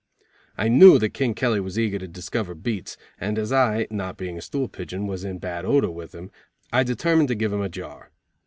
I knew that King Kelly was eager to discover "beats" and as I, not being a stool pigeon, was in bad odor with him, I determined to give him a jar.